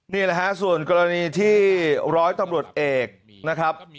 นี่แหละฮะส่วนกรณีที่ร้อยตำรวจเอกนะครับ